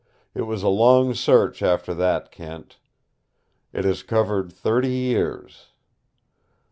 It was a long search after that, Kent. It has covered thirty years.